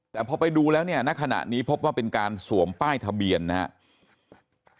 แต่พอไปดูแล้วเนี่ยณขณะนี้พบว่าเป็นการสวมป้ายทะเบียนนะครับ